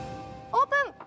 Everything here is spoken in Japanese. オープン！